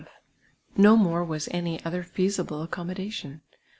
of, no more was any othor fcasiblo accommodation.